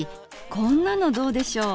こんなのどうでしょう？